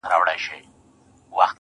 والله ه چي په تا پسي مي سترگي وځي.